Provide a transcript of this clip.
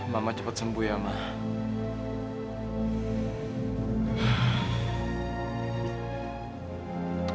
mama cepat sembuh ya mah